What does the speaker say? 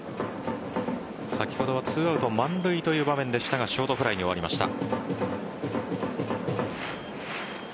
先ほどは２アウト満塁という場面でしたがショートフライに終わりました。